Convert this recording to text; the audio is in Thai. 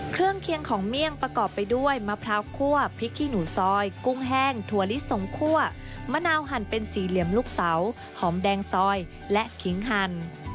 เครื่องเคียงของเมี่ยงประกอบไปด้วยมะพร้าวคั่วพริกขี้หนูซอยกุ้งแห้งถั่วลิสงคั่วมะนาวหั่นเป็นสีเหลี่ยมลูกเสาหอมแดงซอยและขิงหั่น